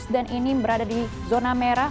dan ini berada di zona merah